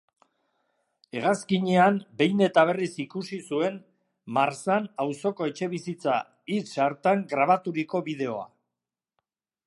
Hegazkinean behin eta berriz ikusi zuen Marzahn auzoko etxebizitza hits hartan grabaturiko bideoa.